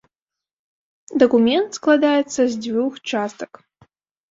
Дакумент складаецца з дзвюх частак.